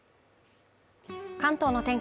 関東の天気